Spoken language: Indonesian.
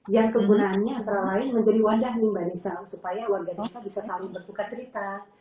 yang kegunaannya antara lain menjadi wadah nih mbak nisa supaya warga desa bisa saling bertukar cerita